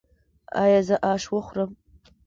ایا زه اش وخورم؟